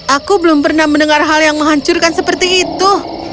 aku belum pernah mendengar hal yang menghancurkan seperti itu